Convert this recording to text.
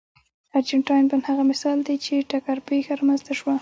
ارجنټاین بل هغه مثال دی چې ټکر پېښه رامنځته شوه.